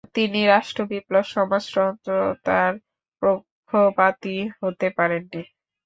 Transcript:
তিনি রাষ্ট্রবিপ্লব ও সমাজতন্ত্রতার পক্ষপাতী হতে পারেননি।